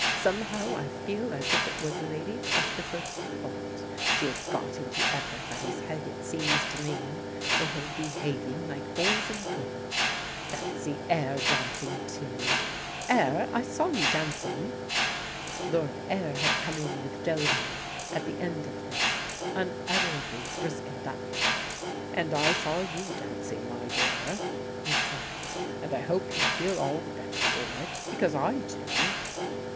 Somehow I feel as if it was Lady Chesterford's fault. She has got into everybody's head, it seems to me. We're all behaving like boys and girls. Fancy Ayr dancing, too! Ayr, I saw you dancing." Lord Ayr had come in with Dodo, at the end of this, unutterably briskened up. "And I saw you dancing, my dear," he said. "And I hope you feel all the better for it, because I do."